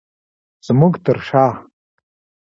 زمونږ تر شاه